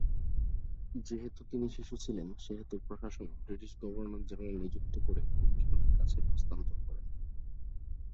যেহেতু তিনি শিশু ছিলেন সেহেতু প্রশাসন ব্রিটিশ গভর্নর জেনারেল নিযুক্ত করে কমিশনারের কাছে হস্তান্তর করেন।